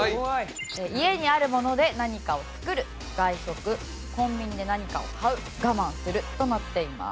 家にあるもので何かを作る外食コンビニで何かを買う我慢するとなっています。